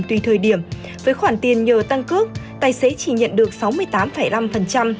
tùy thời điểm với khoản tiền nhờ tăng cước tài xế chỉ nhận được sáu mươi tám năm